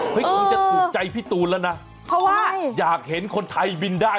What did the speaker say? คงจะถูกใจพี่ตูนแล้วนะเพราะว่าอยากเห็นคนไทยบินได้